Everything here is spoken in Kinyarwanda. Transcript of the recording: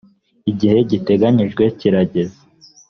igihe giteganyijwe kirageze